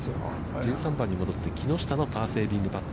１３番に戻って木下のパーセービングパット。